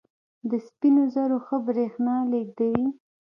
د سپینو زرو ښه برېښنا لېږدوي.